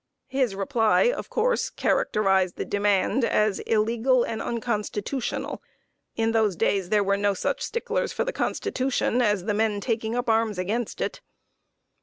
His reply, of course, characterized the demand as "illegal" and "unconstitutional." In those days there were no such sticklers for the Constitution as the men taking up arms against it!